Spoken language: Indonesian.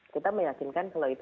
kita meyakinkan kalau itu